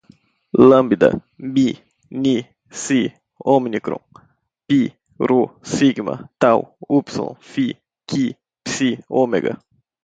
lambda, mi, ni, csi, ómicron, pi, rô, sigma, tau, úpsilon, fi, qui, psi, ômega